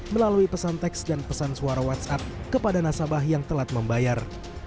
melalui pesan teks dan pesan suara whatsapp kepada nasabah yang telat membayar